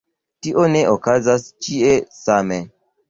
Tio ne okazas ĉie same.